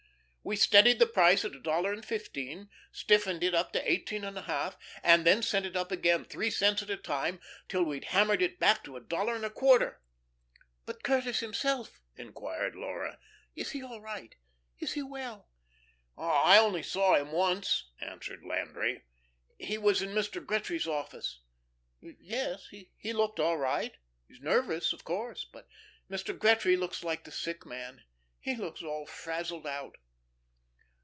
We steadied the price at a dollar and fifteen, stiffened it up to eighteen and a half, and then sent it up again, three cents at a time, till we'd hammered it back to a dollar and a quarter." "But Curtis himself," inquired Laura, "is he all right, is he well?" "I only saw him once," answered Landry. "He was in Mr. Gretry's office. Yes, he looked all right. He's nervous, of course. But Mr. Gretry looks like the sick man. He looks all frazzled out."